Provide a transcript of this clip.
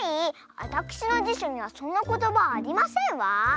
あたくしのじしょにはそんなことばはありませんわ！